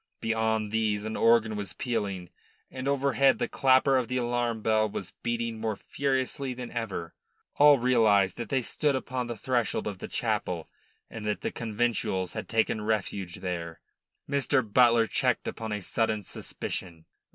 Beyond these an organ was pealing, and overhead the clapper of the alarm bell was beating more furiously than ever. All realised that they stood upon the threshold of the chapel and that the conventuals had taken refuge there. Mr. Butler checked upon a sudden suspicion.